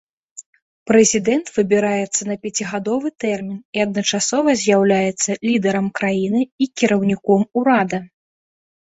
Прэзідэнт выбіраецца на пяцігадовы тэрмін і адначасова з'яўляецца лідарам краіны і кіраўніком урада.